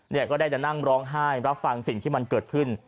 ก็ได้จะนั่งร้องไห้รับฟังสิ่งที่มันเกิดขึ้น